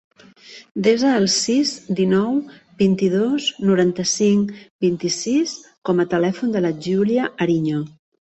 Desa el sis, dinou, vint-i-dos, noranta-cinc, vint-i-sis com a telèfon de la Giulia Ariño.